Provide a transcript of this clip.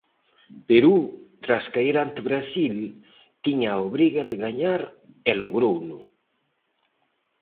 Perú, tras caer ante Brasil, tiña a obriga de gañar e logrouno.